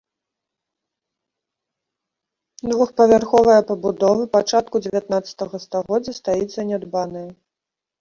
Двухпавярховая пабудова пачатку дзевятнаццатага стагоддзя стаіць занядбаная.